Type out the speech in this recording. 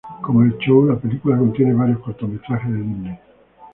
Como el show, la película contiene varios cortometrajes de Disney.